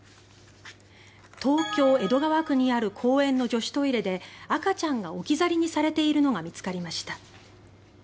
東京・江戸川区にある公園の女子トイレで赤ちゃんが置き去りにされているのが見つかりました。